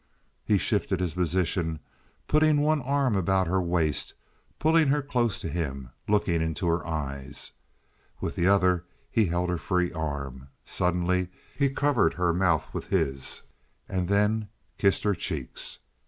He shifted his position, putting one arm about her waist, pulling her close to him, looking into her eyes. With the other he held her free arm. Suddenly he covered her mouth with his and then kissed her cheeks.